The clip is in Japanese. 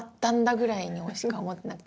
ぐらいにしか思ってなくて。